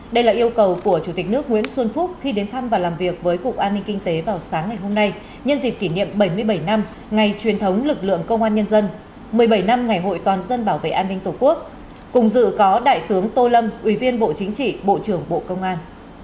đây là yêu cầu của chủ tịch nước nguyễn xuân phúc khi đến thăm và làm việc với cục an ninh kinh tế vào sáng ngày hôm nay nhân dịp kỷ niệm bảy mươi bảy năm ngày truyền thống lực lượng công an nhân dân một mươi bảy năm ngày hội toàn dân bảo vệ an ninh tổ quốc cùng dự có đại tướng tô lâm ủy viên bộ chính trị bộ trưởng bộ công an